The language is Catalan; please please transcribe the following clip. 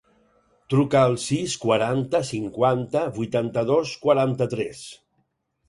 Truca al sis, quaranta, cinquanta, vuitanta-dos, quaranta-tres.